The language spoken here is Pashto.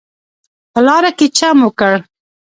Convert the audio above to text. په لاره کې چم وکړ.